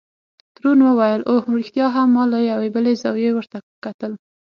تورن وویل: اوه، رښتیا هم، ما له یوې بلې زاویې ورته کتل.